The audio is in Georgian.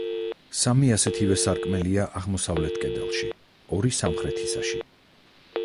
სამი ასეთივე სარკმელია აღმოსავლეთ კედელში, ორი სამხრეთისაში.